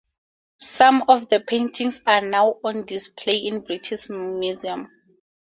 Some of the paintings are now on display in the British Museum.